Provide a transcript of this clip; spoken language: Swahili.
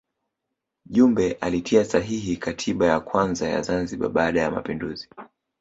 Jumbe alitia sahihi katiba ya kwanza ya Zanzibar baada ya mapinduzi